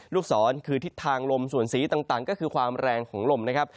ลูกศรคือทิศทางลมส่วนสีต่างก็คือความแรงของลมนะครับ